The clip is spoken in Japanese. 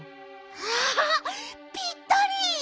わあぴったり！